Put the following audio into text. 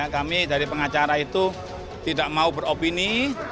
kami dari pengacara itu tidak mau beropini